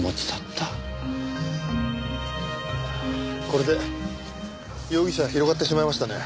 これで容疑者は広がってしまいましたね。